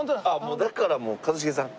だからもう一茂さん。